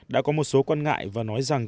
đã có một số quan ngại và nói rằng